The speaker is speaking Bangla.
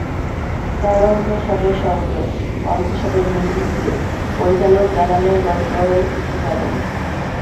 প্রারম্ভ শটের সঙ্গে অন্তশটের মিল ঘটিয়ে পরিচালক জালালের গল্প-এর ইতি টানেন।